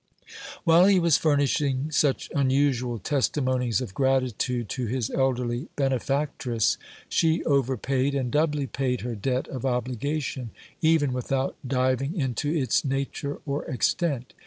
While he was furnishing such unusual testimonies of gratitude to his elderly benefactress, she over paid and doubly paid her debt of obligation, even without diving into its nature or extent.